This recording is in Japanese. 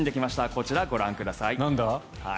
こちらご覧ください。